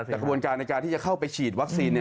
แต่กระบวนการในการที่จะเข้าไปฉีดวัคซีน